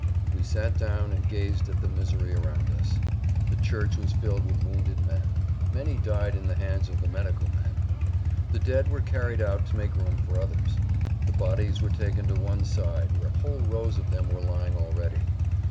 We sat down and gazed at the misery around us. The church was filled with wounded men. Many died in the hands of the medical men. The dead were carried out to make room for others. The bodies were taken to one side where whole rows of them were lying already.